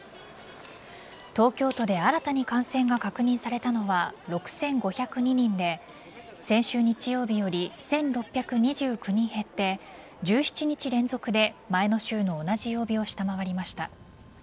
東京都で新たに感染が確認されたのは６５０２人で先週日曜日より１６２９人減って１７日連続で前の週の同じ曜日を下回りました。